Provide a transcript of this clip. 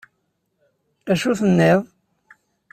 Acu tenniḍ?